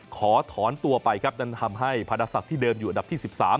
ขอถอนตัวไปครับนั้นทำให้พาดาศักดิ์เดิมอยู่อันดับที่๑๓